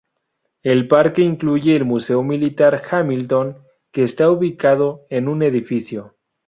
El parque incluye el Museo Militar Hamilton, que está ubicado en un edificio.